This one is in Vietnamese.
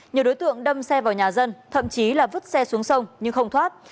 nhiều đối tượng đâm xe vào nhà dân thậm chí là vứt xe xuống sông nhưng không thoát